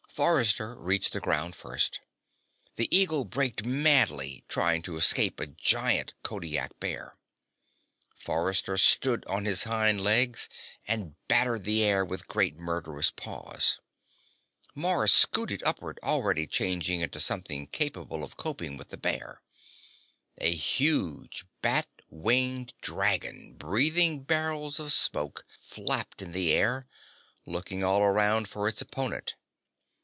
Forrester reached the ground first. The eagle braked madly, trying to escape a giant Kodiak bear. Forrester stood on his hind legs and battered the air with great, murderous paws. Mars scooted upward, already changing into something capable of coping with the bear. A huge, bat winged dragon, breathing barrels of smoke, flapped in the air, looking all around for its opponent.